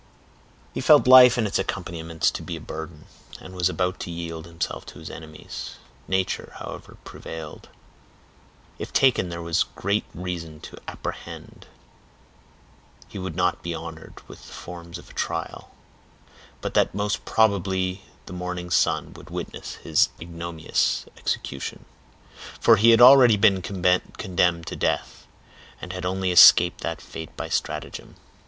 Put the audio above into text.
He felt life and its accompaniments to be a burden, and was about to yield himself to his enemies. Nature, however, prevailed. If taken, there was great reason to apprehend that he would not be honored with the forms of a trial, but that most probably the morning sun would witness his ignominious execution; for he had already been condemned to death, and had only escaped that fate by stratagem.